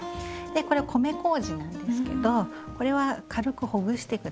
でこれ米こうじなんですけどこれは軽くほぐして下さい。